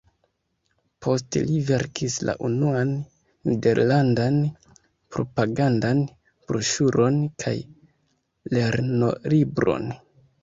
Poste li verkis la unuan nederlandan propagandan broŝuron kaj lernolibron.